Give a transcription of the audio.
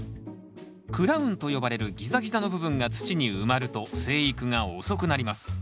クラウンと呼ばれるギザギザの部分が土に埋まると生育が遅くなります。